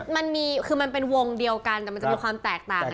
มันมีคือมันเป็นวงเดียวกันแต่มันจะมีความแตกต่างกัน